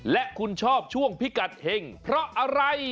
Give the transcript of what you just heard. และคุณชอบช่วงพิกัดเห็งเพราะอะไร